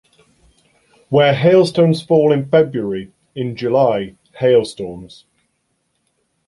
Where hailstones fall in February, in July, hailstorms.